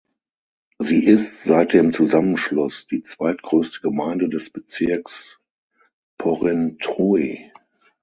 Sie ist seit dem Zusammenschluss die zweitgrösste Gemeinde des Bezirks Porrentruy.